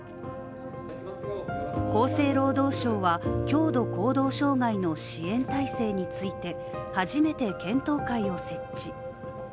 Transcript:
厚生労働省は、強度行動障害の支援体制について初めて検討会を設置。